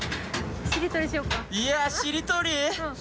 いやしりとり？